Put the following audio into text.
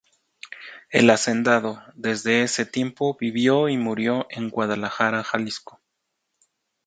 El hacendado, desde ese tiempo, vivió y murió en Guadalajara Jalisco.